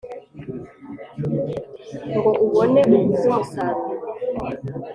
ngo ubone ugwize umusaruro